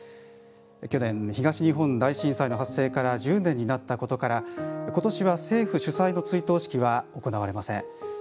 去年、東日本大震災の発生から１０年になったことから今年は政府主催の追悼式は行われません。